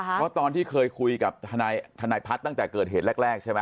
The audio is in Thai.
เพราะตอนที่เคยคุยกับทนายพัฒน์ตั้งแต่เกิดเหตุแรกใช่ไหม